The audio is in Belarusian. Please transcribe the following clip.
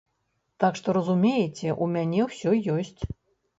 Так што разумееце, у мяне ўсё ёсць.